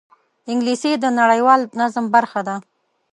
انګلیسي د نړیوال نظم برخه ده